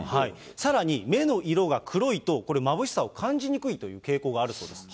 さらに、目の色が黒いとこれ、まぶしさを感じにくいという傾向があるそうです。